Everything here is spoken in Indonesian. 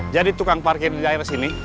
jadi tukang parkir di daerah sini